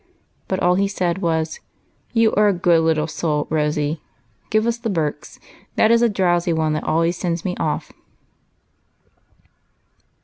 But all he said was, —" You are a good little soul. Rosy. Give us ' The Birks;'that is a drowsy one that always sends me off."